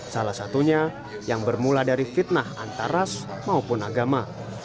salah satunya yang bermula dari fitnah antaras maupun agama